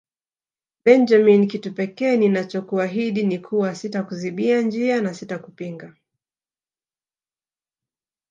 Benjamin kitu pekee ninachokuahidi ni kuwa sitakuzibia njia na sitakupinga